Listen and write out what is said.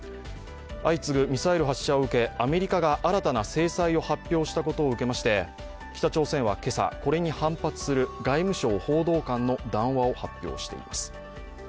相次ぐミサイル発射を受け、アメリカが新たな制裁を発表したことを受けまして、北朝鮮は今朝、これに反発する外務省報道官の談話を発表しています。